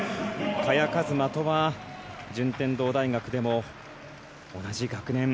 萱和磨とは順天堂大学でも同じ学年。